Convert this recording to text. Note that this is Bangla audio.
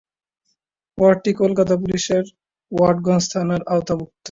ওয়ার্ডটি কলকাতা পুলিশের ওয়াটগঞ্জ থানার আওতাভুক্ত।